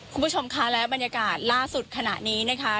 คุณผู้ชมค่ะและบรรยากาศล่าสุดขณะนี้นะคะ